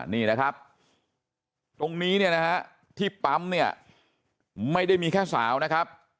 นี่นะครับตรงนี้เนี่ยนะฮะที่ปั๊มเนี่ยไม่ได้มีแค่สาวนะครับ